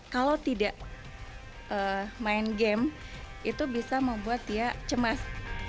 kalau tidak main game itu bisa membuat dia cemas